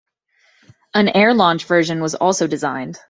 An air-launched version was also designed.